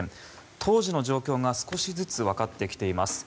当時の状況が少しずつ分かってきています。